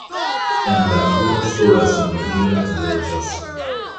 En la turo sola sonorilo loĝas.